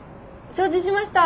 承知しました。